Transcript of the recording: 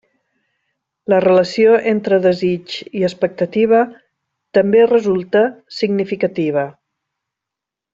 La relació entre desig i expectativa també resulta significativa.